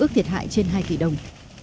ước thiệt hại trên hai tỷ đồng